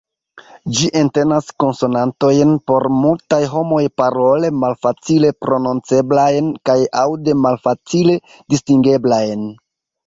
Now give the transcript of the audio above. Ĝi entenas konsonantojn por multaj homoj parole malfacile prononceblajn kaj aŭde malfacile distingeblajn.